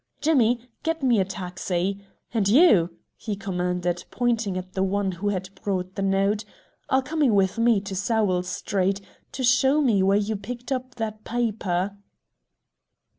Jimmy, get me a taxi. And you," he commanded, pointing at the one who had brought the note, "are coming with me to Sowell Street, to show me where you picked up that paper."